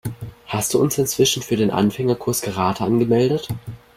Hast du uns inzwischen für den Anfängerkurs Karate angemeldet?